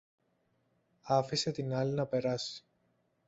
άφησε την άλλη να περάσει